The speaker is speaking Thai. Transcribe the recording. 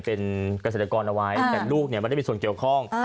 เป็นเกษตรกรเอาไว้แต่ลูกมันไม่ได้เป็นส่วนเจียวคล่อง